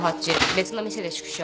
別の店で縮小。